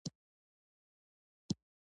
بس همدا ترانې دي چې غږېږي او خلک یې اوري.